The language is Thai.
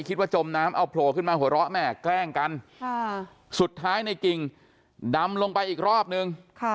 จมน้ำเอาโผล่ขึ้นมาหัวเราะแม่แกล้งกันสุดท้ายในกิ่งดำลงไปอีกรอบนึง